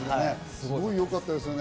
すごい良かったですよね